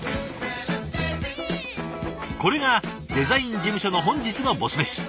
これがデザイン事務所の本日のボス飯。